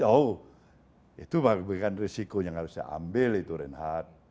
oh itu bagian risiko yang harus saya ambil itu reinhardt